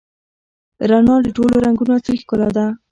رڼا د ټولو رنګونو اصلي ښکلا ده.